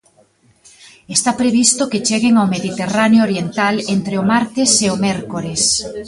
Está previsto que cheguen ao Mediterráneo oriental entre o martes e o mércores.